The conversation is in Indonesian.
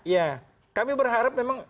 ya kami berharap memang